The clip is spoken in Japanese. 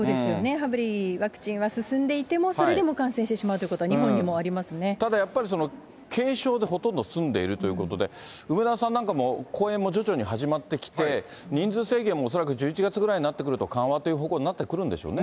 やはりワクチンは進んでいても、それでも感染してしまうというこただやっぱり、軽症でほとんど済んでいるということで、梅沢さんなんかも、公演も徐々に始まってきて、人数制限も恐らく１１月ぐらいになってくると、緩和という方向になってくるんでしょうね。